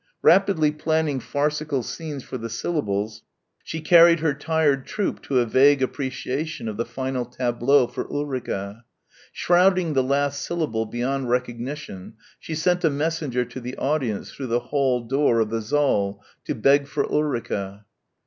Rapidly planning farcical scenes for the syllables she carried her tired troupe to a vague appreciation of the final tableau for Ulrica. Shrouding the last syllable beyond recognition, she sent a messenger to the audience through the hall door of the saal to beg for Ulrica.